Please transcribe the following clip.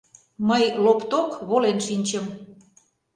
Мый лопток волен шинчым.